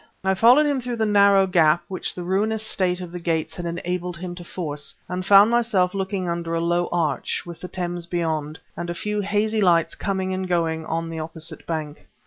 I followed him through the narrow gap which the ruinous state of the gates had enabled him to force, and found myself looking under a low arch, with the Thames beyond, and a few hazy lights coming and going on the opposite bank.